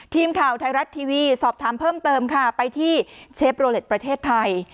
ทีมข่าวไทยรัฐทีวีสอบถามเพิ่มเติมค่ะไปที่เชฟโรเล็ตประเทศไทย